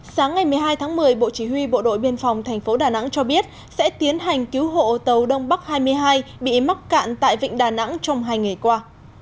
sáng ngày một mươi hai tháng một mươi bộ chỉ huy bộ đội biên phòng tp đà nẵng cho biết sẽ tiến hành cứu hộ tàu đông bắc hai mươi hai bị mắc cạn tại vịnh đà nẵng trong hai ngày qua